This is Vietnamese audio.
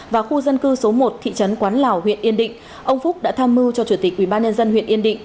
và khu dân cư số một thị trấn quán lào huyện yên định ông phúc đã tham mưu cho chủ tịch ủy ban nhân dân huyện yên định